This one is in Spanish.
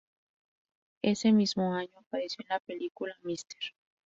Ese mismo año apareció en la película "Mr.